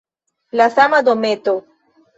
La sama dometo!